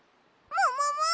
ももも！？